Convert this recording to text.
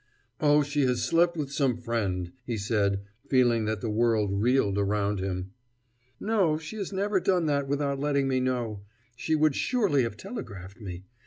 "Oh, she has slept with some friend," he said, feeling that the world reeled around him. "No, she has never done that without letting me know.... She would surely have telegraphed me....